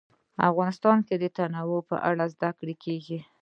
افغانستان کې د تنوع په اړه زده کړه کېږي.